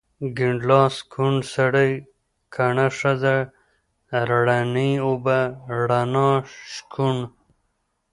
کيڼ لاس، کوڼ سړی، کڼه ښځه، رڼې اوبه، رڼا، شکوڼ